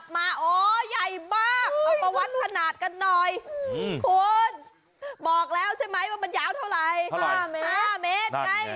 มันยาวใช่มั้ยมันยาวเท่าไหล๕เมตร